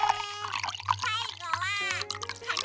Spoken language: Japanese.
さいごははな！